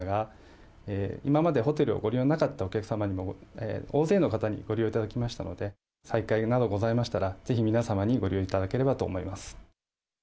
前回の都民割でもございましたが、今までホテルをご利用なかったお客様にも、大勢の方にご利用いただきましたので、再開などございましたが、ぜひ皆様にご利用いただければと思います。